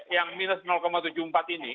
yang minus tujuh puluh empat ini